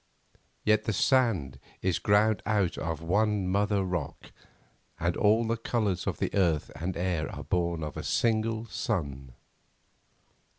Yet the sand is ground out of one mother rock, and all the colours of earth and air are born of a single sun.